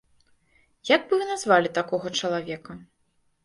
Як бы вы назвалі такога чалавека?